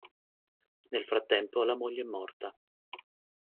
Nel frattempo la moglie è morta.